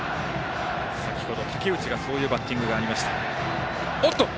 先ほど竹内がそういうバッティングがありました。